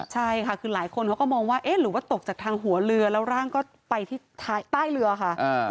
ใช่ค่ะคือหลายคนเขาก็มองว่าตกจากทางหัวเรือแล้วร่างไปที่ใต้เรือครับ